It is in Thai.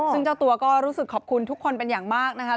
ซึ่งเจ้าตัวก็รู้สึกขอบคุณทุกคนเป็นอย่างมากนะคะ